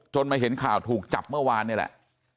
มาเห็นข่าวถูกจับเมื่อวานนี่แหละ